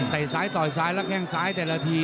ซ้ายต่อยซ้ายแล้วแข้งซ้ายแต่ละที